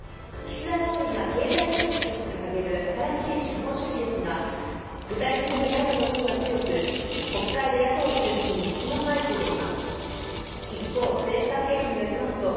岸田総理が経済政策として掲げる新しい資本主義ですが具体的でないとの声が強く国会で野党を中心に質問が相次いでいます。